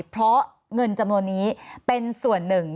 เพราะเงินจำนวนนี้เป็นส่วนหนึ่ง